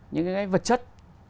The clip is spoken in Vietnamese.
những cái vật chất